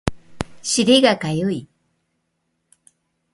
尻がかゆい